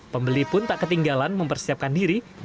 pembeli pun tak ketinggalan mempersiapkan diri